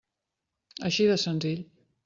Així de senzill.